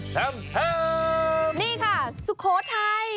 นี่ค่ะสุโขทัย